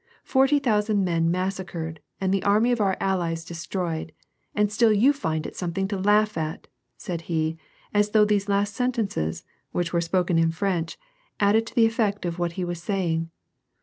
Forty thousand men massacred and the army of our allies de stroyed, and still you find it something to laugh at !" said he, as though these last sentences, which were spoken in French, added to the effect of what he was saying.